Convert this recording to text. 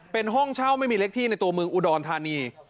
เป็นห้องเช่าไม่มีเล็กที่ในตัวเมืองอุดรธานี